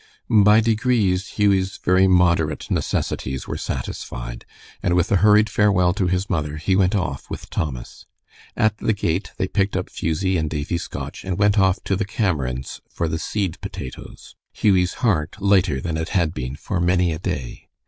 By degrees Hughie's very moderate necessities were satisfied, and with a hurried farewell to his mother he went off with Thomas. At the gate they picked up Fusie and Davie Scotch, and went off to the Cameron's for the seed potatoes, Hughie's heart lighter than it had been for many a day.